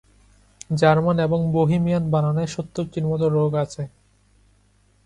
German এবং Bohemian বানানে সত্তরটির মত রোগ আছে।